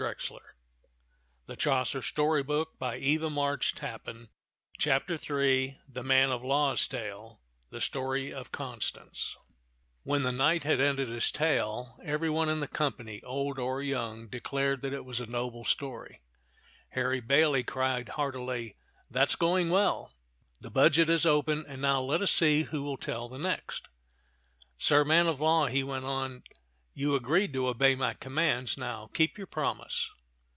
Ill t^t (man of Ba^B tait THE STORY OF CONSTANCE t^i (man of fiaiB Z^t (\tlm of Bai»'0 tak WHEN the knight had ended his tale, every one in the company, old or young, declared that it was a noble story. Harry Bailey cried heartily, "That's going well. The budget is open, and now let us see who will tell the next. Sir man of law," he went on, "you agreed to obey my commands; now keep your promise."